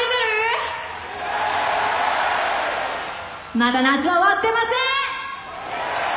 まだ夏は終わってません！